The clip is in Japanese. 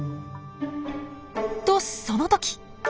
とその時。